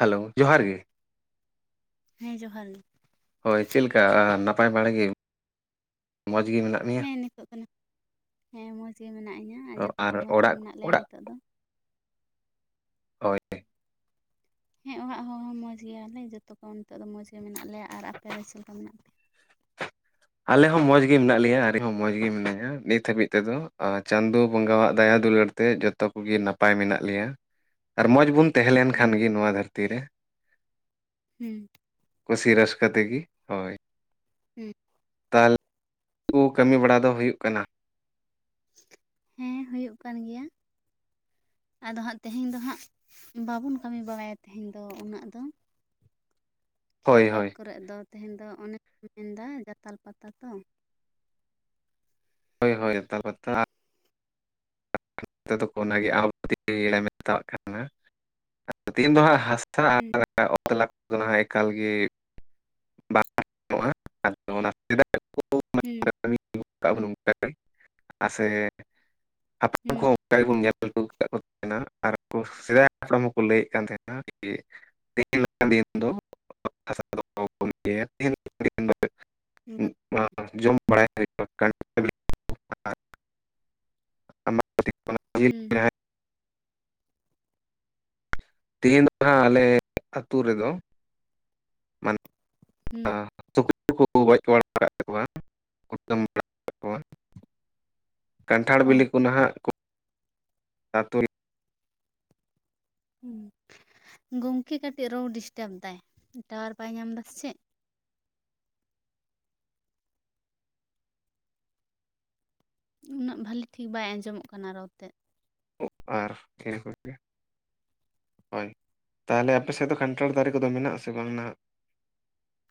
Hello ᱡᱚᱦᱟᱨ ᱜᱮ, ᱦᱮᱸ ᱡᱚᱦᱟᱨ ᱜᱮ, ᱦᱳᱭ ᱪᱮᱫ ᱞᱮᱠᱟ ᱱᱟᱯᱟᱭ ᱵᱟᱲᱮ ᱜᱮ, ᱢᱚᱸᱡᱽ ᱜᱮ ᱢᱮᱱᱟᱜ ᱢᱮᱭᱟ? ᱦᱮᱸ ᱱᱤᱛᱚᱜ ᱫᱚ ᱱᱟᱜ ᱦᱮᱸ ᱢᱚᱡᱽ ᱜᱮ ᱢᱮᱱᱟᱜ ᱤᱧᱟ ᱟᱨ ᱚ, ᱡᱚᱛᱚ ᱠᱚ ᱢᱚᱸᱡᱽ ᱜᱮ ᱚᱲᱟᱜ ᱢᱮᱱᱟᱜ ᱞᱮᱭᱟ ᱚᱲᱟᱜ ᱱᱤᱛᱚᱜ ᱫᱚ᱾ ᱦᱳᱭ [inaudible] ᱦᱮᱸ ᱚᱲᱟᱜ ᱦᱚᱲ ᱦᱚᱸ ᱢᱚᱸᱡᱽ ᱜᱮᱭᱟᱞᱮ, ᱡᱚᱛᱚ ᱠᱚ ᱱᱤᱛᱚᱜ ᱫᱚ ᱢᱚᱸᱡᱽ ᱜᱮ ᱢᱮᱱᱟᱜ ᱞᱮᱭᱟ ᱟᱨ ᱟᱯᱮ ᱫᱚ ᱪᱮᱞ ᱠᱟ ᱢᱮᱱᱟᱜ ᱯᱮᱭᱟ? ᱟᱞᱮ ᱦᱚᱸ ᱢᱚᱸᱡᱽ ᱜᱮ ᱢᱮᱱᱟᱜ ᱞᱮᱭᱟ ᱟᱨ ᱤᱧ ᱦᱚᱸ ᱢᱚᱸᱡᱽ ᱜᱮ ᱢᱮᱱᱟᱧᱟ ᱱᱤᱛ ᱦᱟᱹᱵᱤᱡ ᱛᱮᱫᱚ ᱪᱟᱸᱫᱳ ᱵᱚᱸᱜᱟᱣᱟᱜ ᱫᱟᱭᱟ ᱫᱩᱞᱟᱹᱲ ᱛᱮ ᱡᱚᱛᱚ ᱠᱚᱜᱮ ᱱᱟᱯᱟᱭ ᱢᱮᱱᱟᱜ ᱞᱮᱭᱟ ᱟᱨ ᱢᱚᱸᱡᱽ ᱵᱚᱱ ᱛᱟᱦᱮᱸ ᱞᱮᱱ ᱦᱩᱸ ᱠᱷᱟᱱ ᱜᱮ ᱱᱚᱣᱟ ᱫᱷᱟᱹᱨᱛᱤ ᱨᱮ ᱦᱩᱸ ᱠᱩᱥᱤ ᱨᱟᱹᱥᱠᱟᱹ ᱛᱮᱜᱮ ᱦᱳᱭ। ᱦᱩᱸ ᱛᱟᱦᱚᱞᱮ ᱠᱩ ᱠᱟᱹᱢᱤ ᱵᱟᱲᱟ ᱫᱚ ᱦᱩᱭᱩᱜ ᱠᱟᱱᱟ? ᱦᱮᱸ ᱦᱩᱭᱩᱜ ᱠᱟᱱ ᱜᱮᱭᱟ। ᱟᱫᱚ ᱦᱟᱸᱜ ᱛᱮᱦᱮᱧ ᱫᱚ ᱦᱟᱸᱜ ᱵᱟᱵᱚᱱ ᱠᱟᱹᱢᱤ ᱵᱟᱲᱟᱭᱟ ᱛᱮᱦᱮᱧ ᱫᱚ ᱩᱱᱟᱹᱜ ᱫᱚ। ᱠᱷᱮᱛ ᱦᱳᱭ ᱵᱟᱫᱽ ᱦᱳᱭ ᱠᱚᱨᱮᱫ ᱫᱚ ᱛᱮᱦᱮᱧ ᱫᱚ ᱚᱱᱮᱧ ᱢᱮᱱ ᱫᱟ ᱡᱟᱛᱟᱞ ᱯᱟᱛᱟ ᱛᱚ। ᱦᱳᱭ ᱦᱳᱭ ᱡᱟᱛᱟᱞ ᱯᱟᱛᱟ। [inaudible] ᱚᱱᱟᱜᱮ [inaudible] ᱢᱮᱛᱟᱜ ᱠᱟᱱᱟ ᱛᱮᱦᱮᱧ ᱫᱚ ᱦᱟᱸᱜ ᱦᱟᱥᱟ ᱦᱩᱸ [unintelligible] ᱚᱱᱟ ᱮᱠᱟᱞ ᱜᱮ ᱵᱟᱝ ᱜᱟᱱᱚᱜᱼᱟ ᱟᱫᱚ ᱚᱱᱟ ᱥᱮᱫᱟᱭ [inaudible] ᱦᱮᱸ ᱩ ᱠᱟᱹᱢᱤ [inaudible] ᱟᱥᱮ ᱩᱱᱠᱩ ᱦᱚᱸ ᱦᱩᱸ ᱚᱱᱠᱟ ᱜᱮᱵᱚᱱ ᱧᱮᱞ ᱟᱜᱩ ᱠᱟᱜ ᱠᱚ᱾ ᱱᱟ ᱟᱨ ᱥᱮᱫᱟᱭ ᱦᱟᱯᱲᱟᱢ ᱠᱚ ᱞᱟᱹᱭ ᱠᱟᱱ ᱛᱟᱦᱮᱸᱱᱟ ᱡᱮ ᱵᱟ [inaudible] ᱚᱱᱟ ᱡᱚᱢ ᱵᱟᱲᱟᱭ ᱦᱩᱭᱩᱜ-ᱟ, ᱚᱱᱠᱟᱱ ᱦᱩᱸ [inaudible] ᱛᱮᱦᱤᱧ ᱫᱚ ᱦᱟᱸᱜ ᱟᱞᱮ ᱟᱹᱛᱩ ᱨᱮᱫᱚ ᱢᱟᱱᱮ ᱦᱩᱸ ᱟ ᱥᱩᱠᱨᱤ ᱠᱚᱠᱚ ᱜᱚᱡ ᱵᱟᱲᱟ ᱟᱠᱟᱫᱟ ᱠᱚᱣᱟ, ᱠᱩᱴᱟᱢ ᱵᱟᱲᱟ ᱠᱟᱜ ᱠᱚᱣᱟ। ᱠᱟᱱᱴᱷᱟᱲ ᱚ ᱵᱤᱞᱤ ᱠᱚ ᱱᱟᱦᱟᱜ ᱠᱚ ᱟᱛᱩ ᱨᱮ ᱦᱩᱸ ᱜᱚᱝᱠᱮ ᱠᱟᱹᱴᱤᱡ ᱨᱚᱲ ᱰᱤᱥᱴᱟᱵ ᱫᱟᱭ ᱴᱟᱣᱟᱨ ᱵᱟᱭ ᱧᱟᱢ ᱫᱟ ᱥᱮ ᱪᱮᱫ? ᱩᱱᱟᱹᱜ ᱵᱷᱟᱞᱤ ᱴᱷᱤᱠ ᱵᱟᱭ ᱟᱸᱡᱚᱢᱚᱜ ᱠᱟᱱᱟ ᱨᱚᱲ ᱛᱮᱫ। ᱚ ᱟᱨ ᱠᱮᱱᱮᱞ ᱠᱚ ᱜᱮ᱾ ᱦᱳᱭ ᱛᱟᱦᱚᱞᱮ ᱟᱯᱮ ᱥᱮᱫ ᱫᱚ ᱠᱟᱱᱴᱷᱟᱲ ᱫᱟᱨᱮ ᱠᱚᱫᱚ ᱢᱮᱱᱟᱜ ᱟᱥᱮ ᱵᱟᱝ ᱱᱟᱦᱟᱜ?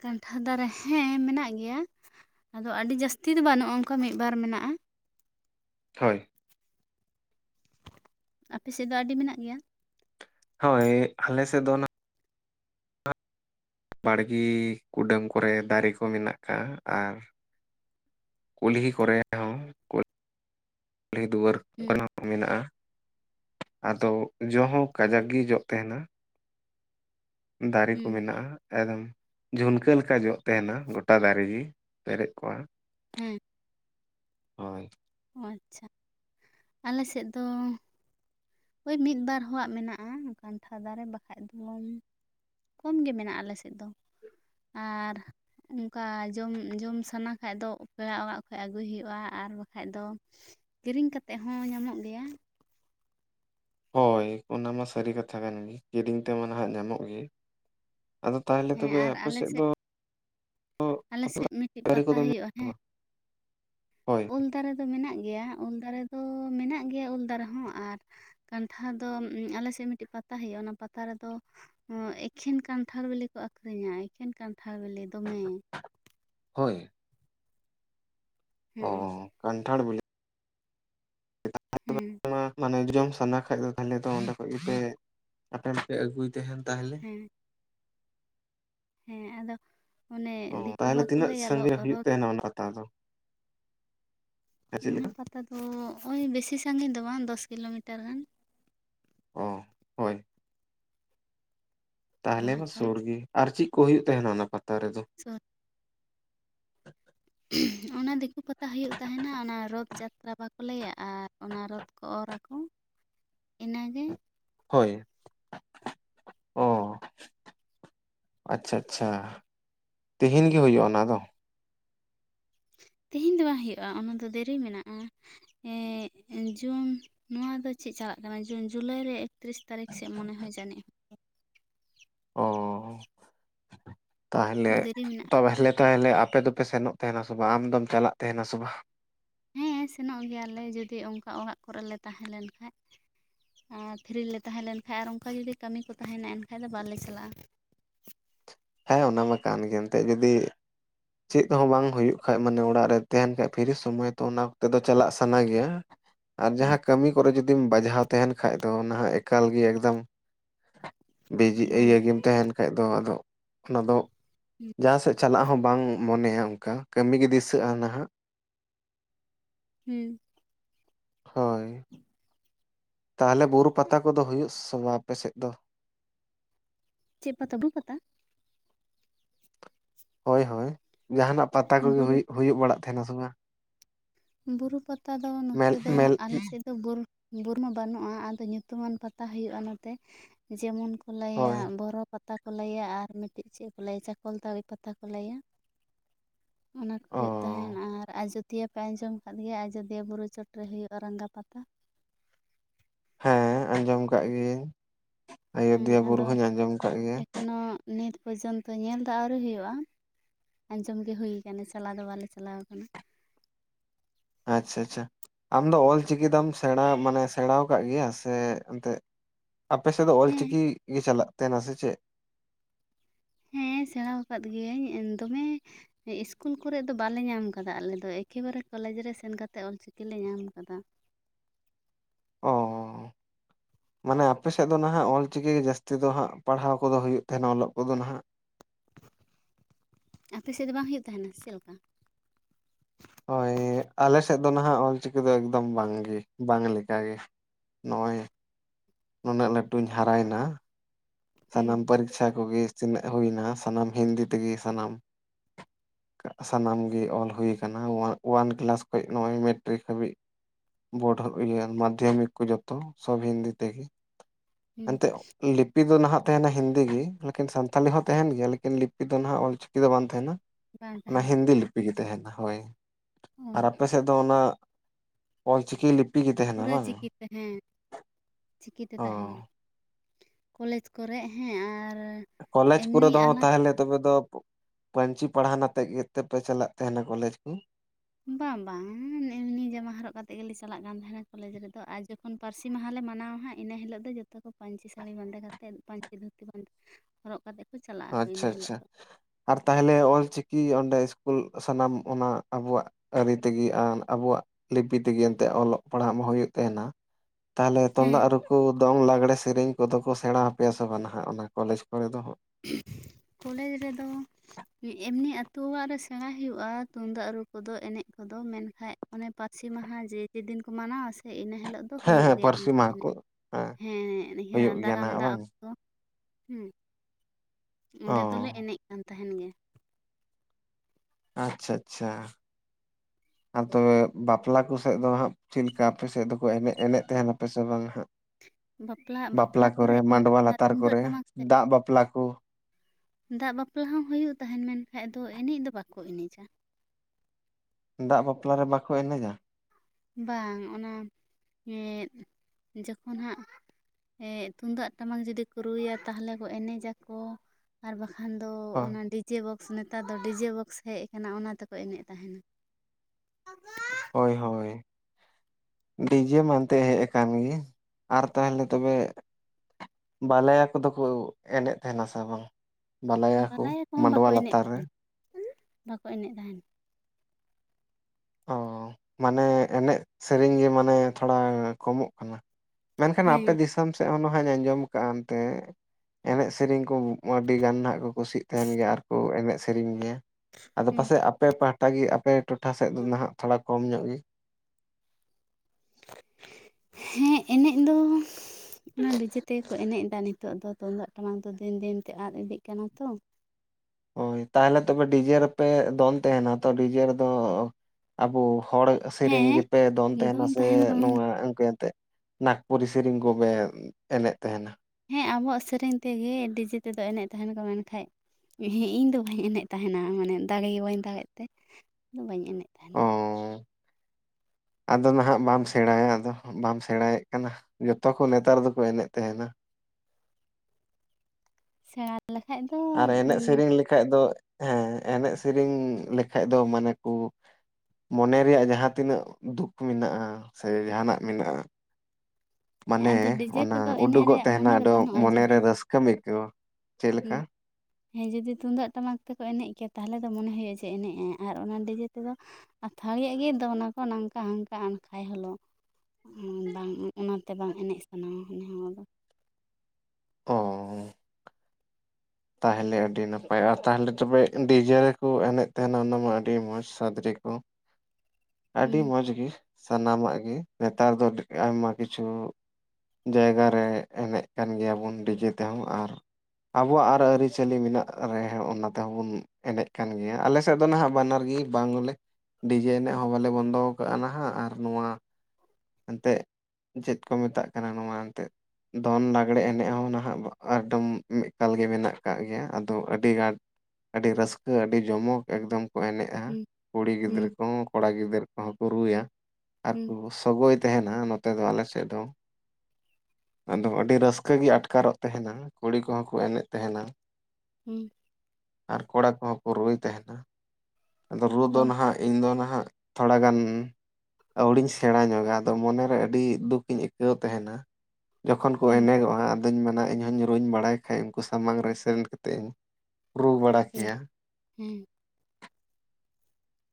ᱠᱟᱱᱴᱷᱟᱲ ᱫᱟᱨᱮ ᱦᱮᱸ ᱢᱮᱱᱟᱜ ᱜᱮᱭᱟ, ᱟᱫᱚ ᱟᱹᱰᱤ ᱡᱟᱹᱥᱛᱤ ᱫᱚ ᱵᱟᱹᱱᱩᱜᱼᱟ, ᱚᱱᱠᱟ ᱢᱤᱫ ᱵᱟᱨ ᱢᱮᱱᱟᱜᱼᱟ। ᱦᱳᱭ ᱟᱯᱮ ᱥᱮᱫ ᱫᱚ ᱟᱹᱰᱤ ᱢᱮᱱᱟᱜ ᱜᱮᱭᱟ? ᱦᱳᱭ ᱟᱞᱮ ᱥᱮᱫ ᱫᱚ ᱚᱱᱟ ᱵᱟᱲᱜᱮ ᱠᱩᱰᱟᱹᱢ ᱠᱚᱨᱮ ᱫᱟᱨᱮ ᱠᱚ ᱢᱮᱱᱟᱜ ᱠᱟᱜ-ᱟ ᱟᱨ ᱠᱚᱞᱦᱤ ᱠᱚᱨᱮ ᱦᱚᱸ ᱠᱩᱞ ᱠᱩᱞᱦᱤ ᱫᱩᱣᱟᱹᱨ ᱦᱩᱸ ᱠᱚᱨᱮ ᱦᱚᱸ ᱢᱮᱱᱟᱜᱼᱟ ᱟᱫᱚ ᱡᱚ ᱦᱚᱸ ᱠᱟᱡᱟᱠ ᱚ ᱜᱤ ᱡᱚᱜ ᱛᱟᱸᱦᱮᱱᱟ। ᱫᱟᱨᱤ ᱠᱩ ᱦᱩᱸ ᱢᱮᱱᱟᱜᱼᱟ। ᱮᱠᱫᱚᱢ ᱡᱷᱩᱱᱠᱟᱹ ᱞᱮᱠᱟ ᱡᱚᱜ ᱛᱟᱸᱦᱮᱱᱟ, ᱜᱚᱴᱟ ᱫᱟᱨᱮ ᱜᱤ ᱯᱮᱨᱮᱡ ᱠᱚᱜᱼᱟ। ᱦᱮᱸ। ᱦᱳᱭ। ᱚ ᱟᱪᱪᱷᱟ ᱟᱞᱮ ᱥᱮᱫ ᱫᱚ ᱳᱭ ᱢᱤᱫ ᱵᱟᱨ ᱦᱚᱲᱟᱜ ᱢᱮᱱᱟᱜᱼᱟ ᱠᱟᱱᱴᱷᱟᱲ ᱫᱟᱨᱮ ᱵᱟᱠᱷᱟᱡ ᱫᱚ ᱵᱟᱝ। ᱠᱚᱢ ᱜᱮ ᱢᱮᱱᱟᱜᱼᱟ ᱟᱞᱮ ᱥᱮᱫ ᱫᱚ, ᱟᱨ ᱚᱝᱠᱟ ᱡᱚᱢ ᱡᱚᱢ ᱥᱟᱱᱟ ᱠᱷᱟᱡ ᱫᱚ ᱯᱮᱲᱟ ᱚᱲᱟᱜ ᱠᱷᱚᱡ ᱟᱹᱜᱩᱭ ᱦᱩᱭᱩᱜᱼᱟ ᱟᱨ ᱵᱟᱠᱷᱟᱡ ᱫᱚ ᱠᱤᱨᱤᱧ ᱠᱟᱛᱮᱫ ᱦᱚᱸ ᱧᱟᱢᱚᱜ ᱜᱮᱭᱟ। ᱦᱳᱭ ᱚᱱᱟ ᱢᱟ ᱥᱟᱹᱨᱤ ᱠᱟᱛᱷᱟ ᱠᱟᱱ ᱜᱮ, ᱠᱤᱨᱤᱧ ᱛᱮ ᱢᱟ ᱱᱟᱦᱟᱜ ᱧᱟᱢᱚᱜ ᱜᱮ। ᱟᱫᱚ ᱛᱟᱦᱚᱞᱮ ᱦᱮᱸ ᱛᱚᱵᱮ ᱟᱨ ᱟᱯᱮ ᱟᱞᱮ ᱥᱮᱫ ᱫᱚ ᱟᱞᱮ ᱥᱮᱫ ᱢᱤᱫᱴᱤᱡ ᱫᱟᱨᱮ ᱯᱟᱛᱟ ᱠᱚᱫᱚ ᱢᱮᱱᱟᱜ-ᱟ? ᱦᱩᱭᱩᱜᱼᱟ ᱦᱮᱸ ᱩᱞ ᱫᱟᱨᱮ ᱫᱚ ᱢᱮᱱᱟᱜ ᱜᱮᱭᱟ ᱩᱞ ᱫᱟᱨᱮ ᱫᱚ ᱢᱮᱱᱟᱜ ᱜᱮᱭᱟ ᱩᱞ ᱫᱟᱨᱮ ᱦᱚᱸ ᱟᱨ ᱠᱟᱱᱴᱷᱟᱲ ᱫᱚ ᱟᱞᱮ ᱥᱮᱫ ᱢᱤᱫᱴᱮᱡ ᱯᱟᱛᱟ ᱦᱩᱭᱩᱜᱼᱟ ᱚᱱᱟ ᱯᱟᱛᱟ ᱨᱮᱫᱚ ᱮᱠᱷᱮᱱ ᱠᱟᱱᱴᱷᱟᱲ ᱵᱤᱞᱤ ᱠᱚ ᱟᱠᱷᱨᱤᱧᱟ ᱮᱠᱷᱮᱱ ᱠᱟᱱᱴᱷᱟᱲ ᱵᱤᱞᱤ ᱫᱚᱢᱮ। ᱦᱳᱭ। ᱚ ᱦᱮᱸ ᱠᱟᱱᱴᱷᱟᱲ ᱵᱤᱞᱤ? [unintelligible] ᱦᱩᱸ। ᱢᱟᱱᱮ ᱡᱚᱢ ᱥᱟᱱᱟ ᱠᱷᱟᱡ ᱫᱚ ᱛᱟᱦᱚᱞᱮ ᱫᱚ ᱚᱸᱰᱮ ᱠᱷᱚᱡ ᱜᱮᱯᱮ ᱟᱯᱮᱯᱮ ᱟᱹᱜᱩᱭ ᱛᱟᱦᱮᱱ ᱛᱟᱦᱞᱮ [unintelligible] ᱦᱮᱸ ᱟᱫᱚ ᱚᱱᱮ ᱫᱤᱠᱩ ᱵᱟᱠᱚ ᱞᱟᱹᱭᱟ ᱞᱚ ᱨᱚᱛ ᱱᱟ ᱯᱟᱛᱟ ᱫᱚ ᱦᱮᱸ ᱪᱮᱫ ᱚᱱᱟ ᱞᱮᱠᱟ ᱯᱟᱛᱟ ᱫᱚ ᱳᱭ ᱵᱮᱥᱤ ᱥᱟᱺᱜᱤᱧ ᱫᱚ ᱵᱟᱝ ᱫᱚᱥ ᱠᱤᱞᱳᱢᱤᱴᱟᱨ ᱜᱟᱱ ᱚ ᱦᱳᱭ ᱛᱟᱦᱚᱞᱮ ᱚᱲᱟᱜ ᱢᱟ ᱠᱷᱚᱡ ᱥᱩᱨ ᱜᱤ ᱟᱨ ᱪᱤᱫ ᱠᱚ ᱦᱩᱭᱩᱜ ᱛᱟᱦᱮᱱᱟ ᱚᱱᱟ ᱯᱟᱛᱟ ᱨᱮᱫᱚ [unintelligible] ᱚᱱᱟ ᱫᱤᱠᱩ ᱯᱟᱛᱟ ᱦᱩᱭᱩᱜ ᱛᱟᱦᱮᱱᱟ ᱚᱱᱟ ᱨᱚᱛᱷ ᱡᱟᱛᱨᱟ ᱵᱟᱠᱚ ᱞᱟᱹᱭᱟ ᱟᱨ ᱚᱱᱟ ᱨᱚᱛᱷ ᱚᱨ ᱟᱠᱚ ᱤᱱᱟᱹᱜᱮ ᱦᱳᱭ ᱚᱳ ᱟᱪᱪᱷᱟ ᱟᱪᱪᱷᱟ ᱛᱤᱦᱱ ᱜᱮ ᱦᱩᱭᱩᱜᱼᱟ ᱚᱱᱟ ᱫᱚ ᱛᱮᱦᱤᱧ ᱫᱚ ᱵᱟᱝ ᱦᱩᱭᱩᱜᱼᱟ ᱚᱱᱟ ᱫᱚ ᱫᱮᱨᱤ ᱢᱮᱱᱟᱜᱼᱟ ᱡᱩᱱ ᱱᱚᱣᱟ ᱫᱚ ᱪᱮᱫ ᱪᱟᱞᱟᱜ ᱠᱟᱱᱟ ᱡᱩᱱ ᱡᱩᱞᱟᱭ ᱨᱮ ᱮᱠᱛᱨᱤᱥ ᱛᱟᱹᱨᱤᱠᱷ ᱥᱮᱫ ᱢᱚᱱᱮ ᱦᱚᱭ ᱡᱟᱹᱱᱤᱡ ᱚ ᱛᱟᱦᱞᱮ ᱫᱮᱨᱤ ᱢᱮᱱᱟᱜᱼᱟ [unintelligible] ᱛᱟᱭᱞᱮ ᱟᱯᱮ ᱫᱚᱯᱮ ᱥᱮᱱᱚᱜ ᱛᱟᱦᱮᱱᱟ ᱥᱮ ᱵᱟᱝ ᱟᱢ ᱫᱚᱢ ᱪᱟᱞᱟᱜ ᱛᱟᱦᱮᱱᱟ ᱥᱮ ᱵᱟᱝ ᱦᱮᱸ ᱥᱮᱱᱚᱜ ᱜᱮᱭᱟᱞᱮ ᱡᱩᱫᱤ ᱚᱝᱠᱟ ᱚᱲᱟᱜ ᱠᱚᱨᱮ ᱞᱮ ᱛᱟᱦᱮᱸ ᱞᱮᱱᱠᱷᱟᱡ ᱟᱨ ᱯᱷᱤᱨᱤᱞ ᱞᱮ ᱛᱟᱦᱮᱸ ᱞᱮᱱᱠᱷᱟᱱ ᱟᱨ ᱚᱝᱠᱟ ᱡᱩᱫᱤ ᱠᱟᱹᱢᱤ ᱠᱚ ᱛᱟᱦᱮ ᱱᱟ ᱮᱱᱠᱷᱟᱡ ᱫᱚ ᱵᱟᱞᱮ ᱪᱟᱞᱟᱜᱼᱟ ᱦᱮᱸ ᱚᱱᱟ ᱢᱟ ᱠᱟᱱ ᱜᱮ ᱮᱱᱛᱮᱫ ᱡᱩᱫᱤ ᱪᱮᱫ ᱦᱚᱸ ᱵᱟᱝ ᱦᱩᱭᱩᱜ ᱠᱷᱟᱡ ᱢᱟᱱᱮ ᱚᱲᱟᱜ ᱨᱮ ᱛᱮᱦᱮᱱ ᱠᱷᱟᱡ ᱢᱟᱱᱮ ᱯᱷᱤᱨᱤ ᱥᱚᱢᱚᱭ ᱛᱚ ᱚᱱᱟ ᱚᱠᱛᱮ ᱪᱟᱞᱟᱜ ᱥᱟᱱᱟ ᱜᱮᱭᱟ ᱟᱨ ᱡᱟᱦᱟᱸ ᱦᱩᱸ ᱠᱟᱹᱢᱤ ᱠᱚᱨᱮ ᱡᱩᱫᱤᱢ ᱵᱟᱡᱷᱟᱣ ᱛᱟᱦᱮᱱ ᱠᱷᱟᱡ ᱫᱚ ᱚᱱᱟ ᱦᱟᱜ ᱮᱠᱟᱞ ᱜᱮ ᱮᱠᱫᱚᱢ ᱵᱤᱡᱤ ᱵᱟᱝ ᱤᱭᱟᱹ ᱜᱮᱢ ᱛᱟᱦᱮᱱ ᱠᱷᱟᱡ ᱫᱚ ᱟᱫᱚ ᱚᱱᱟ ᱫᱚ ᱦᱩᱸ ᱡᱟᱦᱟᱸ ᱥᱮᱫ ᱪᱟᱞᱟᱜ ᱦᱚᱸ ᱵᱟᱝ ᱢᱚᱱᱮᱭᱟ ᱚᱝᱠᱟ ᱠᱟᱹᱢᱤ ᱜᱮ ᱫᱤᱥᱟᱹᱜᱼᱟ ᱱᱟᱦᱟᱜ ᱦᱩᱸ ᱦᱳᱭ ᱛᱟᱦᱚᱞᱮ ᱵᱩᱨᱩ ᱯᱟᱛᱟ ᱠᱚᱫᱚ ᱦᱩᱭᱩᱜ ᱟᱥᱮ ᱵᱟ ᱟᱯᱮᱥᱮᱫ ᱫᱚ ᱪᱮᱫ ᱯᱟᱛᱟ ᱵᱩ ᱯᱟᱛᱟ ᱦᱳᱭ ᱦᱳᱭ ᱡᱟᱦᱟᱱᱟᱜ ᱯᱟᱛᱟ ᱠᱚᱜᱮ ᱵᱩᱨᱩ ᱦᱩᱭᱩᱜ ᱵᱟᱲᱟᱜ ᱛᱟᱦᱮᱱᱟ ᱥᱮ ᱵᱟᱝ ᱵᱩᱨᱩ ᱯᱟᱛᱟ ᱫᱚ ᱢᱮᱞ ᱱᱚᱛᱮ ᱫᱚ ᱢᱮᱞ ᱟᱞᱮ ᱥᱮᱫ ᱫᱚ ᱵᱩᱨ ᱢᱟ ᱵᱟᱹᱱᱩᱜᱼᱟ ᱟᱫᱚ ᱧᱩᱛᱩᱢᱟᱱ ᱯᱟᱛᱟ ᱦᱩᱭᱩᱜᱼᱟ ᱱᱚᱛᱮ ᱡᱮᱢᱚᱱ ᱠᱚ ᱞᱟᱹᱭᱟ ᱦᱳᱭ ᱵᱚᱨᱚ ᱯᱟᱛᱟ ᱠᱚ ᱞᱟᱹᱭᱟ ᱟᱨ ᱢᱤᱫᱴᱤᱡ ᱪᱮᱫ ᱠᱚ ᱞᱟᱹᱭᱟ ᱪᱟᱠᱚᱞ ᱛᱟᱹᱲᱤ ᱯᱟᱛᱟ ᱠᱚ ᱞᱟᱹᱭᱟ᱾ ᱚᱱᱟ ᱠᱚ ᱦᱩᱭᱩᱜ ᱛᱟᱦᱮᱱ ᱚ ᱟᱨ ᱟᱡᱳᱫᱤᱭᱟᱹ ᱯᱮ ᱟᱸᱡᱚᱢ ᱟᱠᱟᱫ ᱜᱮᱭᱟ ᱟᱡᱚᱫᱤᱭᱟᱹ ᱵᱩᱨᱩ ᱪᱚᱴᱨᱮ ᱦᱩᱭᱩᱜᱼᱟ ᱨᱟᱸᱜᱟ ᱯᱟᱛᱟ᱾ ᱦᱮᱸ ᱟᱸᱡᱚᱢ ᱟᱠᱟᱫ ᱜᱤᱭᱟᱹᱧ ᱦᱮᱸ ᱟᱡᱚᱫᱤᱭᱟᱹ ᱵᱩᱨᱩ ᱟᱫᱚ ᱦᱚᱧ ᱟᱸᱡᱚᱢ ᱟᱠᱟᱫ ᱜᱮᱭᱟ᱾ ᱮᱠᱷᱚᱱᱳ ᱱᱤᱛ ᱯᱚᱨᱡᱚᱱᱛᱚ ᱧᱮᱞ ᱫᱚ ᱟᱹᱣᱨᱤ ᱦᱩᱭᱩᱜᱼᱟ᱾ ᱟᱸᱡᱚᱢ ᱜᱮ ᱦᱩᱭ ᱠᱟᱱᱟ ᱪᱟᱞᱟᱣ ᱫᱚ ᱵᱟᱞᱮ ᱪᱟᱞᱟᱣ ᱠᱟᱱᱟ᱾ ᱟᱪᱪᱷᱟ ᱟᱪᱪᱷᱟ, ᱟᱢ ᱫᱚ ᱚᱞ ᱪᱤᱠᱤ ᱫᱚᱢ ᱥᱮᱬᱟ ᱢᱟᱱᱮ ᱥᱮᱬᱟᱣᱟᱠᱟᱜ ᱜᱮᱭᱟ ᱥᱮ ᱮᱱᱛᱮᱫ ᱟᱯᱮ ᱥᱮᱫ ᱫᱚ ᱦᱮᱸ ᱚᱞᱪᱤᱠᱤ ᱜᱮ ᱪᱟᱞᱟᱜ ᱛᱟᱦᱮᱱᱟ ᱥᱮ ᱪᱮᱫ? ᱦᱮᱸ ᱥᱮᱬᱟᱟᱣᱠᱟᱫ ᱜᱤᱭᱟᱹᱧ ᱮᱱ ᱫᱚᱢᱮ ᱦᱮᱸ, ᱤᱥᱠᱩᱞ ᱠᱚᱨᱮ ᱫᱚ ᱵᱟᱞᱮ ᱧᱟᱢ ᱠᱟᱫᱟ ᱟᱞᱮ ᱫᱚ ᱮᱠᱮᱵᱟᱨᱮ ᱠᱚᱞᱮᱡᱽ ᱨᱮ ᱥᱮᱱ ᱠᱟᱛᱮ ᱚᱞ ᱪᱤᱠᱤ ᱞᱮ ᱧᱟᱢ ᱠᱟᱫᱟ᱾ ᱚ ᱢᱟᱱᱮ ᱟᱯᱮᱥᱮᱫ ᱫᱚ ᱱᱟᱦᱟᱜ ᱚᱞ ᱪᱤᱠᱤ ᱜᱮ ᱡᱟᱹᱥᱛᱤ ᱫᱚ ᱦᱟᱸᱜ ᱯᱟᱲᱦᱟᱣ ᱠᱚᱫᱚ ᱦᱩᱭᱩᱜ ᱛᱟᱦᱮᱱᱟ ᱚᱞᱚᱜ ᱠᱚᱫᱚ ᱱᱟᱦᱟᱜ᱾ ᱟᱯᱮ ᱥᱮᱫ ᱫᱚ ᱵᱟᱝ ᱦᱩᱭᱩᱜ ᱛᱟᱦᱮᱱᱟ ᱥᱮ ᱪᱮᱫ ᱞᱮᱠᱟ? ᱦᱳᱭ ᱟᱞᱮ ᱥᱮᱫ ᱫᱚ ᱱᱟᱦᱟᱜ ᱚᱞᱪᱤᱠᱤ ᱫᱚ ᱮᱠᱫᱚᱢ ᱵᱟᱝᱜᱮ, ᱵᱟᱝ ᱞᱮᱠᱟᱜᱮ᱾ ᱱᱚᱜᱼᱚᱭ ᱱᱩᱱᱟᱹᱜ ᱞᱟᱹᱴᱩᱧ ᱦᱟᱨᱟᱭᱮᱱᱟ ᱦᱩᱸ ᱥᱟᱱᱟᱢ ᱯᱚᱨᱤᱠᱪᱷᱟ ᱠᱚᱜᱮ ᱛᱤᱱᱟᱜ ᱦᱩᱭᱱᱟ ᱥᱟᱱᱟᱢ ᱦᱤᱱᱫᱤ ᱛᱮᱜᱮ ᱥᱟᱱᱟᱢ᱾ ᱥᱟᱱᱟᱢ ᱜᱮ ᱚᱞ ᱦᱩᱭ ᱠᱟᱱᱟ ᱚᱣᱟᱱ ᱠᱮᱞᱟᱥ ᱠᱷᱚᱱ ᱱᱚᱜᱼᱚᱭ ᱢᱮᱴᱨᱤᱠ ᱦᱟᱹᱵᱤᱡ᱾ ᱵᱳᱰ ᱤᱭᱟᱹ ᱢᱟᱫᱽᱫᱷᱚᱢᱤᱠ ᱠᱚ ᱡᱚᱛᱚ ᱥᱚᱵ ᱦᱤᱱᱫᱤ ᱛᱮᱜ, ᱦᱩᱸ ᱮᱱᱛᱮᱜ [unintelligible] ᱞᱤᱯᱤ ᱫᱚ ᱱᱟᱦᱟᱜ ᱛᱮᱦᱮᱱᱟ ᱦᱤᱱᱫᱤ ᱜᱮ ᱞᱮᱠᱤᱱ ᱥᱟᱱᱛᱷᱟᱤ ᱦᱚᱸ ᱛᱮᱦᱮᱱ ᱜᱮᱭᱟ ᱞᱮᱠᱤᱱ ᱞᱤᱯᱤ ᱫᱚ ᱱᱟᱦᱟᱜ ᱚᱞᱪᱤᱠᱤ ᱫᱚ ᱵᱟᱝ ᱛᱮᱦᱮᱱᱟ᱾ ᱵᱟᱝ ᱚᱱᱟ ᱛᱟᱦᱮᱱᱟ ᱦᱤᱱᱫᱤ ᱞᱤᱯᱤ ᱜᱮ ᱛᱮᱦᱮᱱᱟ ᱦᱳᱭ ᱟᱨ ᱚ ᱟᱯᱮ ᱥᱮᱫ ᱫᱚ ᱚᱱᱟ ᱚᱞᱪᱤᱠᱤ ᱞᱤᱯ ᱯᱩᱨᱟᱹ ᱪᱤᱠᱤᱛᱮ ᱦᱮᱸ ᱪᱤᱠᱤᱛᱮ ᱚ ᱛᱟᱦᱮᱱᱟ᱾ ᱠᱚᱞᱮᱡᱽ ᱠᱚᱨᱮ ᱦᱮᱸ ᱟᱨ ᱠᱚᱞᱮᱡᱽ ᱠᱚᱨᱮ ᱮᱢᱱᱤ ᱫᱚ ᱟᱞᱟ ᱛᱟᱦᱞᱮ ᱛᱚᱵᱮ ᱫᱚ ᱯᱟᱧᱪᱤ ᱯᱟᱲᱦᱟᱱᱟᱛᱮᱫ ᱜᱮ ᱛᱮᱯᱮ ᱪᱟᱞᱟᱜ ᱛᱟᱦᱮᱱᱟ ᱠᱚᱞᱮᱡᱽ ᱠᱚ? ᱵᱟᱝ ᱵᱟᱝ [unintelligible] ᱮᱢᱱᱤ ᱡᱟᱢᱟ ᱦᱚᱨᱚᱜ ᱠᱟᱛᱮᱮᱫ ᱜᱮᱞᱮ ᱪᱟᱞᱟᱜ ᱠᱟᱱ ᱛᱟᱦᱮᱱᱟ ᱠᱚᱞᱮᱡᱽ ᱨᱮᱫᱚ ᱟᱡ ᱡᱚᱠᱷ ᱡᱚᱠᱷᱚᱱ ᱯᱟᱹᱨᱥᱤ ᱢᱟᱦᱟᱞᱮ ᱢᱟᱱᱟᱣᱟᱜ ᱤᱱᱟᱹ ᱦᱤᱞᱳᱜ ᱫᱚ ᱡᱚᱛᱚ ᱠᱚ ᱯᱟᱧᱪᱤ ᱥᱟᱹᱲᱤ ᱵᱟᱸᱫᱮ ᱠᱟᱛᱮᱫ, ᱯᱟᱧᱪᱤ ᱫᱷᱩᱛᱤ ᱵᱟᱸᱫᱮ ᱦᱚᱨᱚᱜ ᱠᱟᱛᱮ ᱠᱚ ᱪᱟᱞᱟᱜ-ᱟ ᱠᱚ ᱟᱪᱪᱷᱟ ᱤᱱᱟᱹ ᱦᱤᱞᱳᱜ ᱟᱪᱪᱷᱟ ᱫᱚ᱾ ᱟᱨ ᱛᱟᱦᱞᱮ ᱚᱞᱪᱤᱠᱤ ᱚᱸᱰᱮ ᱥᱠᱩᱞ ᱥᱟᱱᱟᱢ ᱚᱱᱟ ᱟᱵᱚᱣᱟᱜ ᱟᱹᱨᱤ ᱛᱮᱜᱮ ᱟᱵᱚᱣᱟᱜ ᱞᱤᱯᱤ ᱛᱮᱜᱮ ᱮᱱᱛᱮᱜ ᱚᱞᱚᱜ ᱯᱟᱲᱦᱟᱜ ᱢᱟ ᱦᱩᱭᱩᱜ ᱛᱟᱦᱮᱱᱟ ᱛᱟᱦᱞᱮ ᱛᱩᱢᱫᱟᱜ ᱦᱮᱸ ᱨᱩ ᱠᱚ ᱫᱚᱝ ᱞᱟᱜᱽᱲᱮ ᱥᱮᱨᱮᱧ ᱠᱚᱫᱚ ᱠᱚ ᱥᱮᱬᱟ ᱟᱯᱮᱭᱟ ᱥᱮ ᱵᱟᱝᱦᱟᱜ ᱚᱱᱟ ᱠᱚᱞᱮᱡᱽ ᱠᱚᱨᱮ ᱫᱚ? ᱠᱚᱞᱮᱡᱽ ᱨᱮᱫᱚ ᱮᱢᱱᱤ ᱟᱹᱛᱩ ᱚᱲᱟᱜ ᱨᱮ ᱥᱮᱬᱟ ᱦᱩᱭᱩᱜᱼᱟ ᱛᱩᱢᱫᱟᱜ ᱨᱩ ᱠᱚᱫᱚ ᱮᱱᱮᱡ ᱠᱚᱫᱚ ᱢᱮᱱᱠᱷᱟᱡ ᱚᱱᱮ ᱯᱟᱹᱨᱥᱤ ᱢᱟᱦᱟ ᱡᱮ ᱡᱮᱫᱤᱱ ᱠᱚ ᱢᱟᱱᱟᱣᱟᱥᱮ ᱤᱱᱟᱹ ᱦᱤᱞᱳᱜ ᱫᱚ ᱦᱮᱸ ᱦᱩᱭᱩᱜ ᱦᱮᱸ ᱜᱮᱭᱟ ᱯᱟᱹᱨᱥᱤ ᱢᱟᱦᱟ ᱮᱱᱮᱡ᱾ ᱠᱚ ᱦᱮᱸ ᱤᱭᱟᱹ ᱦᱩᱭᱩᱜ ᱜᱮᱭᱟ ᱫᱟᱨᱟᱢ ᱱᱟᱦᱟᱜ ᱫᱟᱜ ᱵᱟᱝ ᱚᱠᱛᱚ ᱦᱩᱸ᱾ ᱚ ᱚᱸᱰᱮ ᱫᱚᱞᱮ ᱮᱱᱮᱡ ᱠᱟᱱ ᱛᱟᱦᱮᱱ ᱜᱮᱭᱟ᱾ ᱟᱪᱪᱷᱟ ᱟᱪᱪᱷᱟ ᱟ ᱛᱚᱵᱮ ᱵᱟᱯᱞᱟ ᱠᱚ ᱥᱮᱫ ᱫᱚ ᱦᱟᱸᱜ ᱪᱮᱫ ᱞᱮᱠᱟ ᱟᱯᱮ ᱥᱮᱫ ᱫᱚᱠᱚ ᱮᱱᱮᱡ ᱮᱱᱮᱡ ᱛᱟᱦᱮᱱᱟᱯᱮ ᱥᱮ ᱵᱟᱝ ᱦᱟᱸᱜ? ᱵᱟᱯᱞᱟ ᱠᱚᱨᱮ ᱚᱱᱟ ᱢᱟᱰᱣᱟ ᱚᱱᱟ ᱞᱟᱛᱟᱨ ᱛᱩᱢᱫᱟᱹᱜ ᱠᱚᱨᱮ ᱴᱟᱢᱟᱠ ᱛᱮ ᱫᱟᱜ ᱵᱟᱯᱞᱟ ᱠᱚ? ᱫᱟᱜ ᱵᱟᱯᱞᱟ ᱦᱚᱸ ᱦᱩᱭᱩᱜ ᱛᱟᱦᱮᱱ ᱢᱮᱱᱠᱷᱟᱡ ᱫᱚ ᱮᱱᱮᱡ ᱫᱚ ᱵᱟᱠᱚ ᱮᱱᱮᱡᱟ᱾ ᱫᱟᱜ ᱵᱟᱯᱞᱟ ᱨᱮ ᱵᱟᱠᱚ ᱮᱱᱮᱡᱟ? ᱵᱟᱝ ᱚᱱᱟ ᱮᱸᱫ ᱡᱚᱠᱷᱚᱱ ᱦᱟᱸᱜ ᱮᱸᱜ, ᱛᱩᱢᱫᱟᱜ ᱴᱟᱢᱟᱠ ᱡᱩᱫᱤ ᱠᱚ ᱨᱩᱭᱟ ᱛᱟᱦᱞᱮ ᱠᱚ ᱮᱱᱮᱡᱟᱠᱚ᱾ ᱟᱨ ᱵᱟᱠᱷᱟᱱ ᱫᱚ ᱦᱳᱭ ᱚᱱᱟ ᱰᱤᱡᱮ ᱵᱚᱠᱥ ᱱᱮᱛᱟᱨ ᱫᱚ ᱰᱤᱡᱮ ᱵᱚᱠᱥ ᱦᱮᱡ ᱟᱠᱟᱱᱟ ᱚᱱᱟ ᱛᱮᱠᱚ ᱮᱱᱮᱡ ᱛᱟᱦᱮᱱᱟ᱾ ᱟ ᱜᱚ ᱦᱳᱭ ᱦᱳᱭ ᱰᱤᱡᱮ ᱢᱟ ᱮᱱᱛᱮ ᱦᱮᱡ ᱟᱠᱟᱱ ᱜᱮᱤ ᱟᱨ ᱛᱟᱦᱞᱮ ᱛᱚᱵᱮ ᱵᱟᱞᱟᱭᱟ ᱠᱚᱫᱚ ᱠᱚ ᱮᱱᱮᱪ ᱛᱟᱦᱮᱸᱱᱟ ᱥᱮ ᱵᱟᱝ? ᱵᱟᱞᱟᱭᱟ ᱠᱚ ᱠᱚᱦᱚᱸ ᱢᱟᱰᱣᱟ ᱵᱟᱠᱚ ᱮᱱᱮᱡ ᱞᱟᱛᱟᱨ ᱨᱮ, [unintelligible] ᱵᱟᱠᱚ ᱮᱱᱮᱡ ᱛᱟᱦᱮᱸᱱ᱾ ᱚ ᱢᱟᱱᱮ ᱮᱱᱮᱡ ᱥᱮᱨᱮᱧ ᱜᱮ ᱢᱟᱱᱮ ᱛᱷᱚᱲᱟ ᱠᱚᱢᱚᱜ ᱠᱟᱱᱟ᱾ ᱢᱮᱱᱠᱷᱟᱱ ᱦᱮᱸ ᱟᱯᱮ ᱫᱤᱥ ᱛᱟᱭᱚᱢ ᱥᱮᱫ ᱦᱚᱸ ᱱᱟᱦᱟᱜ ᱤᱧ ᱟᱸᱡᱚᱢ ᱟᱠᱟᱫᱼᱟ ᱮᱱᱛᱮ ᱮᱱᱮᱡ ᱥᱮᱨᱮᱧ ᱠᱚ ᱟᱹᱰᱤ ᱜᱟᱱ ᱦᱟᱜ ᱠᱚ ᱠᱩᱥᱤᱜ ᱛᱟᱸᱦᱮᱱ ᱜᱮᱭᱟ ᱟᱨ ᱠᱚ ᱮᱱᱮᱡ ᱥᱮᱨᱮᱧ ᱜᱮᱭᱟ, ᱟᱫᱚ ᱦᱮᱸ ᱯᱟᱥᱮᱡ ᱟᱯᱮ ᱯᱟᱦᱴᱟ ᱜᱮ ᱟᱯᱮ ᱴᱚᱴᱷᱟ ᱥᱮᱫ ᱫᱚ ᱱᱟᱦᱟᱜ ᱛᱷᱚᱲᱟ ᱠᱚᱢ ᱧᱚᱜ ᱜᱮ [inaudible] ᱦᱮᱸ ᱮᱱᱮᱡ ᱫᱚ ᱚᱱᱟ ᱰᱤᱡᱮ ᱛᱮᱜᱮ ᱠᱚ ᱮᱱᱮᱡ ᱫᱟ ᱱᱤᱛᱚᱜ ᱫᱚ ᱛᱩᱢᱫᱟᱜ ᱴᱟᱢᱟᱠ ᱫᱚ ᱫᱤᱱ ᱫᱤᱱ ᱛᱮ ᱟᱫ ᱤᱫᱤᱜ ᱠᱟᱱᱟ ᱛᱚ ᱦᱳᱭ ᱛᱟᱦᱚᱞᱮ ᱛᱚᱵᱮ ᱰᱤᱡᱮ ᱨᱮᱯᱮ ᱫᱚᱱ ᱛᱟᱸᱦᱮᱱᱟ ᱛᱚ ᱰᱤᱡᱮ ᱨᱮᱫᱚ ᱟᱵᱚ ᱦᱚᱲ ᱥᱮᱨᱮᱧ ᱦᱮᱸ ᱜᱮᱯᱮ ᱫᱚᱱ ᱛᱟᱦᱮᱱᱟ ᱥᱮ ᱛᱟᱦᱮᱱ ᱠᱚ ᱢᱮᱱ ᱱᱚᱣᱟ ᱤᱱᱠᱟᱹ ᱮᱱᱛᱮ ᱱᱟᱜᱽᱯᱩᱨᱤ ᱥᱮᱨᱮᱧ ᱜᱚᱵᱮ ᱮᱱᱮᱡ ᱛᱟᱦᱮᱱᱟ? ᱦᱮᱸ ᱟᱵᱚᱣᱟᱜ ᱥᱮᱨᱮᱧ ᱛᱮᱜᱮ ᱰᱤᱡᱮ ᱛᱮ ᱫᱚ ᱮᱱᱮᱡ ᱛᱟᱸᱦᱮᱱ ᱠᱚ ᱢᱮᱱᱠᱷᱟᱡ ᱦᱮᱸ ᱤᱧ ᱫᱚ ᱵᱟᱹᱧ ᱮᱱᱮᱡ ᱛᱟᱸᱦᱮᱱᱟ ᱢᱟᱱᱮ ᱫᱟᱲᱮᱜ ᱜᱮ ᱵᱟᱹᱧ ᱫᱟᱲᱮᱫ ᱛᱮᱫ ᱵᱟᱹᱧ ᱮᱱᱮᱡ ᱛᱟᱦᱮᱱᱟ ᱪᱷᱮ-ᱮ ᱾ ᱟᱫᱚ ᱱᱟᱦᱟᱜ ᱵᱟᱢ ᱥᱮᱬᱟᱭᱟ ᱟᱫᱚ ᱵᱟᱢ ᱥᱮᱬᱟᱭᱮᱫ ᱠᱟᱱᱟ ᱡᱷᱚᱛᱚ ᱠᱚ ᱱᱮᱛᱟᱨ ᱫᱚᱠᱚ ᱮᱱᱮᱡ ᱛᱟᱸᱦᱮᱱᱟ᱾ ᱥᱮᱬᱟ ᱞᱮᱠᱷᱟᱡ ᱫᱚ ᱩᱸ ᱟᱨ ᱮᱱᱮᱡ ᱥᱮᱨᱮᱧ ᱞᱮᱠᱷᱟᱡ ᱫᱚ ᱦᱮᱸ ᱮᱱᱮᱡ ᱥᱮᱨᱮᱧ ᱞᱮᱠᱷᱟᱡ ᱫᱚ ᱢᱟᱱᱮ ᱠᱩ ᱢᱚᱱᱮ ᱨᱮᱭᱟᱜ ᱡᱟᱦᱟᱸ ᱛᱤᱱᱟᱹᱜ ᱫᱩᱠ ᱢᱮᱱᱟᱜᱼᱟ ᱥᱮ ᱡᱟᱦᱟᱸᱱᱟᱜ ᱢᱮᱱᱟᱜᱼᱟ, ᱦᱮᱸ ᱢᱟᱱᱮ ᱟᱫᱚ ᱰᱤᱡᱮ ᱚᱱᱟ ᱛᱮᱫᱚ ᱮᱱᱮᱡ ᱩᱰᱩᱠᱚᱜ ᱨᱮᱭᱟᱜ ᱛᱟᱦᱮᱱᱟ ᱢᱚᱱᱮ ᱫᱚ ᱟᱫᱚ ᱵᱟᱹᱱᱩᱜᱼᱟ ᱡᱩᱫᱤ ᱢᱚᱱᱮᱨᱮ ᱨᱟᱹᱥᱠᱟᱹᱢ ᱟᱹᱭᱠᱟᱹᱣᱼᱟ᱾ ᱦᱩᱸ ᱦᱮᱸ ᱡᱩᱫᱤ ᱛᱩᱢᱫᱟᱹᱜ ᱴᱟᱢᱟᱠ ᱛᱮᱠᱚ ᱮᱱᱮᱡ ᱠᱮᱭᱟ ᱛᱟᱦᱚᱞᱮ ᱫᱚ ᱢᱚᱱᱮ ᱦᱩᱭᱩᱜᱼᱟ ᱡᱮ ᱮᱱᱮᱡᱼᱟ ᱟᱨ ᱚᱱᱟ ᱰᱤᱡᱮ ᱛᱮᱫᱚ ᱟᱛᱷᱟᱣ ᱲᱤᱭᱟᱜ ᱜᱮ ᱫᱚ ᱚᱱᱟ ᱠᱚ ᱱᱚᱝᱠᱟ ᱦᱟᱱᱠᱟ ᱟᱱᱠᱷᱟᱭ ᱦᱤᱞᱳᱜ ᱵᱟᱝ ᱚᱱᱟ ᱛᱮ ᱵᱟᱝ ᱮᱱᱮᱡ ᱥᱟᱱᱟᱣᱟ ᱚᱱᱮ ᱚᱱᱟ ᱫᱚ ᱚᱻ ᱛᱟᱦᱚᱞᱮ ᱟᱹᱰᱤ ᱱᱟᱯᱟᱭᱚᱜ ᱟᱨ ᱛᱟᱦᱚᱞᱮ ᱛᱚᱵᱮ ᱰᱤᱡᱮ ᱨᱮᱠᱚ ᱮᱱᱮᱡ ᱛᱟᱦᱮᱱᱟ ᱚᱱᱟᱢᱟ ᱟᱹᱰᱤ ᱢᱚᱡᱽ ᱥᱟᱫᱽᱨᱮ ᱠᱚ ᱟᱹᱰᱤ ᱦᱩᱸ ᱢᱚᱸᱡᱽ ᱜᱮ ᱥᱟᱱᱟᱢᱟᱜ ᱜᱮ ᱱᱮᱛᱟᱨ ᱫᱚ ᱟᱭᱢᱟ ᱠᱤᱪᱷᱩ ᱡᱟᱭᱜᱟ ᱨᱮ ᱮᱱᱮᱡ ᱠᱟᱱ ᱜᱮᱭᱟᱵᱚᱱ ᱰᱤᱡᱮ ᱛᱮᱦᱚᱸ ᱟᱨ ᱟᱵᱚᱣᱟᱜ ᱟᱨ ᱟᱹᱨᱤᱪᱟᱹᱞᱤ ᱢᱮᱱᱟᱜ ᱨᱮᱦᱚᱸ ᱚᱱᱟ ᱛᱮᱦᱚᱸ ᱵᱚᱱ ᱮᱱᱮᱡ ᱠᱟᱱ ᱜᱮᱭᱟ ᱟᱞᱮ ᱥᱮᱫ ᱫᱚ ᱱᱟᱸᱦᱟᱜ ᱵᱟᱱᱟᱨ ᱜᱮ ᱵᱟᱝᱞᱮ ᱰᱤᱡᱮ ᱮᱱᱮᱡ ᱦᱚᱸ ᱵᱟᱞᱮ ᱵᱚᱱᱫᱚ ᱟᱠᱟᱟᱜᱼᱟ, ᱱᱟᱦᱟᱜ ᱟᱨ ᱱᱚᱣᱟ ᱮᱱᱛᱮᱜ ᱪᱮᱫ ᱠᱚ ᱢᱮᱛᱟᱜ ᱠᱟᱱᱟ ᱱᱚᱣᱟ ᱮᱱᱛᱮᱜ ᱫᱚᱝ ᱞᱟᱜᱽᱲᱮ ᱮᱱᱮᱡ ᱦᱚᱸ ᱱᱟᱸᱦᱟᱜ ᱮᱠᱫᱚᱢ ᱢᱤᱫᱠᱟᱞ ᱜᱮ ᱢᱮᱱᱟᱜ ᱠᱟᱜ ᱜᱮᱭᱟ, ᱟᱫᱚ ᱟᱹᱰᱤᱜᱟᱱ ᱟᱹᱰᱤ ᱨᱟᱹᱥᱠᱟᱹ ᱟᱹᱰᱤ ᱡᱚᱢᱚᱠ ᱮᱠᱫᱚᱢ ᱠᱚ ᱮᱱᱮᱡᱼᱟ ᱦᱩᱸ ᱠᱩᱲᱤ ᱦᱩᱸ ᱜᱤᱫᱽᱨᱟᱹ ᱠᱚᱦᱚᱸ ᱠᱚᱲᱟ ᱜᱤᱫᱽᱟᱹᱨᱟᱹ ᱠᱚᱦᱚᱸ ᱠᱚ ᱨᱩᱭᱟ ᱟᱨ ᱦᱩᱸ ᱠᱚ ᱥᱚᱜᱚᱭ ᱛᱟᱦᱮᱸᱱᱟ ᱱᱚᱛᱮ ᱫᱚ ᱟᱞᱮ ᱥᱮᱫ ᱫᱚ ᱟᱫᱚ ᱟᱹᱰᱤ ᱨᱟᱹᱥᱠᱟᱹ ᱜᱮ ᱟᱴᱠᱟᱨᱚᱜ ᱛᱟᱦᱮᱸᱱᱟ ᱠᱩᱲᱤ ᱠᱚᱦᱚᱸ ᱠᱚ ᱮᱱᱮᱡ ᱛᱟᱦᱮᱸᱱᱟ, ᱦᱩᱸ᱾ ᱟᱨ ᱠᱚᱲᱟ ᱠᱚᱦᱚᱸ ᱠᱚ ᱨᱩᱭ ᱛᱟᱦᱮᱸᱱᱟ ᱟᱫᱚ ᱨᱩ ᱫᱚ ᱚ ᱱᱟᱦᱟᱸᱜ ᱤᱧᱫᱚ ᱱᱟᱦᱟᱸᱜ ᱛᱷᱚᱲᱟᱜᱟᱱ ᱟᱹᱣᱲᱤᱧ ᱥᱮᱲᱟ ᱧᱚᱜᱟ ᱟᱫᱚ ᱢᱚᱱᱮᱨᱮ ᱟᱹᱰᱤ ᱫᱩᱠ ᱤᱧ ᱟᱹᱭᱠᱟᱹᱣ ᱛᱟᱦᱮᱸᱱᱟ ᱡᱚᱠᱷᱚᱱ ᱠᱚ ᱦᱩᱸ ᱮᱱᱮᱡᱚᱜᱼᱟ ᱟᱫᱩᱧ ᱢᱮᱱᱟ ᱤᱧᱦᱚᱧ ᱨᱩᱧ ᱵᱟᱲᱟᱭ ᱠᱷᱟᱡ ᱩᱱᱠᱩ ᱥᱟᱢᱟᱝ ᱨᱮ ᱥᱮᱱ ᱠᱟᱛᱮᱡ ᱤᱧ ᱨᱩ ᱵᱟᱲᱟ ᱠᱮᱭᱟ [unintelligible] ᱦᱮᱸ᱾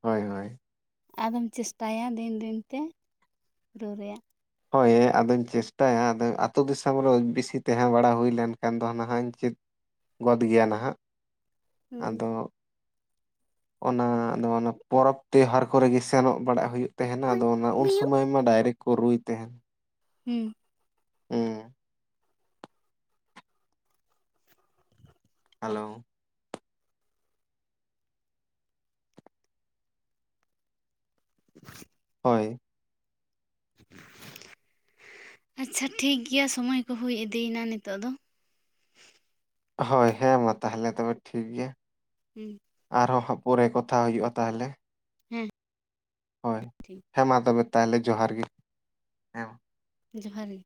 ᱦᱳᱭ ᱦᱳᱭ᱾ ᱟᱫᱚᱢ ᱪᱮᱥᱴᱟᱭᱟ ᱫᱤᱱ ᱫᱤᱱ ᱛᱮ ᱨᱩ ᱨᱮᱭᱟᱜ ᱦᱳᱭ ᱟᱫᱚᱧ ᱪᱮᱥᱴᱟᱭᱟ ᱟᱫᱚ ᱟᱛᱳ ᱫᱤᱥᱚᱢ ᱨᱮ ᱵᱮᱥᱤ ᱛᱟᱦᱮᱸ ᱵᱟᱲᱟ ᱦᱩᱭ ᱞᱮᱱᱠᱷᱟᱱ ᱫᱚ ᱱᱟᱦᱟᱜᱧ ᱪᱮᱫ ᱜᱚᱫ ᱜᱮᱭᱟ ᱱᱟᱦᱟᱸᱜ, ᱟᱫᱚ ᱦᱩᱸ ᱚᱱᱟ ᱱᱚᱣᱟ ᱱᱚ ᱯᱚᱨᱚᱵᱽ ᱛᱮᱦᱟᱨ ᱠᱚᱨᱮᱜᱮ ᱥᱮᱱᱚᱜ ᱵᱟᱲᱟᱜ ᱦᱩᱭᱩᱜ ᱛᱟᱦᱮᱸᱱᱟ ᱟᱫᱚ ᱚᱱᱟ ᱩᱱ ᱵᱤᱭᱩ ᱥᱩᱚᱢᱚᱭ ᱢᱟ ᱰᱟᱭᱨᱮᱠᱴ ᱠᱚ ᱨᱩᱭ ᱛᱟᱦᱮᱱ᱾ ᱦᱩᱸ᱾ ᱦᱩᱸ᱾ ᱦᱮᱞᱳ᱾ [inaudible] ᱦᱳᱭ᱾ ᱟᱪᱪᱷᱟ ᱴᱷᱤᱠᱜᱮᱭᱟ ᱥᱚᱢᱚᱭ ᱠᱚ ᱦᱩᱭ ᱤᱫᱤᱭᱮᱱᱟ ᱱᱤᱛᱳᱜ ᱫᱚ᱾ ᱦᱳᱭ, ᱦᱮᱸ ᱢᱟ ᱛᱟᱦᱞᱮ ᱛᱚᱵᱮ ᱴᱷᱤᱠ ᱜᱮᱭᱟ᱾ ᱦᱩᱸ ᱟᱨᱦᱚᱸ ᱦᱟᱸᱜ ᱯᱚᱨᱮ ᱠᱚᱛᱷᱟ ᱦᱩᱭᱩᱜᱼᱟ ᱛᱟᱦᱞᱮ᱾ ᱦᱩᱸ ᱦᱳᱭ ᱦᱮᱸ ᱢᱟ ᱛᱚᱵᱮ ᱛᱟᱦᱞᱮ ᱡᱚᱦᱟᱨ ᱜᱮ ᱦᱮᱸ ᱡᱚᱦᱟᱨ ᱜᱮ᱾